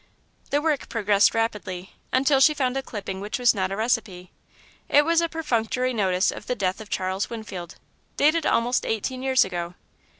The work progressed rapidly, until she found a clipping which was not a recipe. It was a perfunctory notice of the death of Charles Winfield, dated almost eighteen years ago.